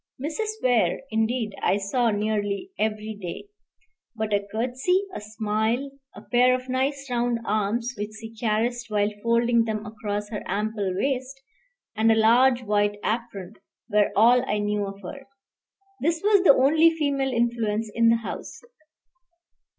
Mrs. Weir, indeed, I saw nearly every day; but a curtsey, a smile, a pair of nice round arms which she caressed while folding them across her ample waist, and a large white apron, were all I knew of her. This was the only female influence in the house.